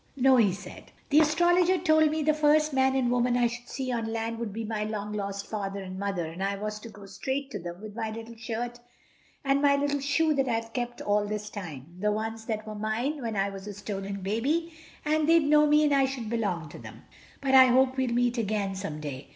"No," he said, "the Astrologer told me the first man and woman I should see on land would be my long lost Father and Mother, and I was to go straight to them with my little shirt and my little shoe that I've kept all this time, the ones that were mine when I was a stolen baby, and they'd know me and I should belong to them. But I hope we'll meet again some day.